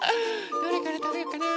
どれからたべようかな？